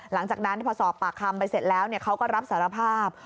หลังจากนั้นพอสอบปากคำไปเสร็จแล้วเขาก็รับสารภาพ